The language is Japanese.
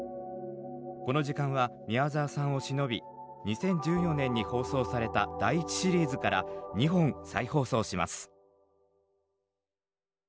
この時間は宮沢さんをしのび２０１４年に放送された第１シリーズから２本再放送します